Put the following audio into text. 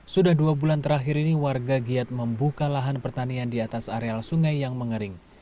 sudah dua bulan terakhir ini warga giat membuka lahan pertanian di atas areal sungai yang mengering